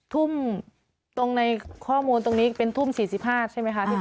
ทุ่มตรงในข้อมูลตรงนี้เป็นทุ่ม๔๕ใช่ไหมคะ